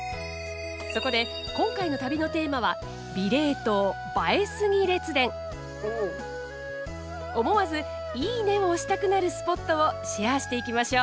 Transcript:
そこで今回の旅のテーマは思わず「いいね」を押したくなるスポットをシェアしていきましょう。